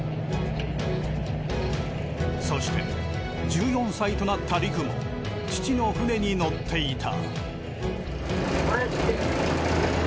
そして１４歳となった陸も父の船に乗っていた。